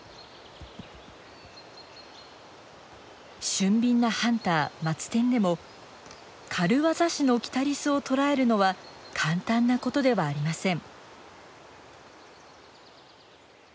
俊敏なハンターマツテンでも軽業師のキタリスをとらえるのは簡単なことではありません。